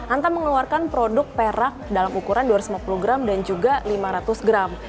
antam mengeluarkan produk perak dalam ukuran dua ratus lima puluh gram dan juga lima ratus gram